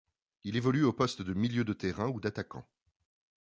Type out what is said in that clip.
Il évolue au poste de milieu de terrain ou d'attaquant.